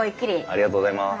ありがとうございます。